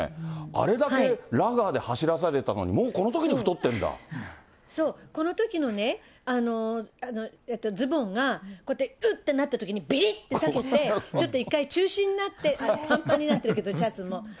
あれだけラガーで走らされたのに、そう、このときのね、ズボンが、こうやってうってなったときに、びりって裂けて、一回中止になって、ぱんぱんになってる、シャツも。